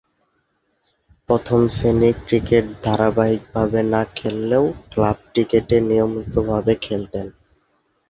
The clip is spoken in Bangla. প্রথম-শ্রেণীর ক্রিকেটে ধারাবাহিকভাবে না খেললেও ক্লাব ক্রিকেটে নিয়মিতভাবে খেলতেন।